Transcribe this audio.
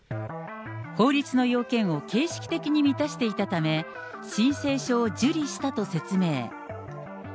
法律の要件を形式的に満たしていたため、申請書を受理したと説明。